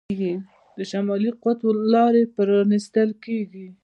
د شمالي قطب لارې پرانیستل کیږي.